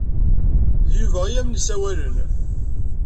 D Yuba i am-n-isawalen.